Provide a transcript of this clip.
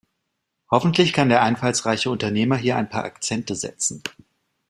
Hoffentlich kann der einfallsreiche Unternehmer hier ein paar Akzente setzen.